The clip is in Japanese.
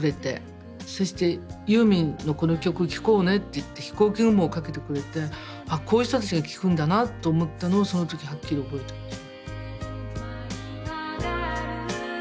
そして「ユーミンのこの曲聴こうね」って言って「ひこうき雲」をかけてくれてこういう人たちが聴くんだなと思ったのをその時はっきり覚えてます。